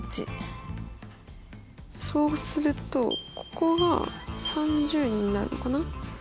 そうするとここが３０人になるのかな。